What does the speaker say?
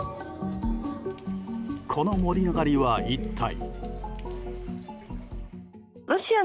この盛り上がりは、一体。